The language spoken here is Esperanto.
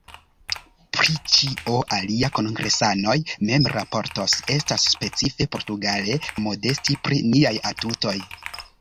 Pri ĉio alia kongresanoj mem raportos — estas specife portugale modesti pri niaj atutoj.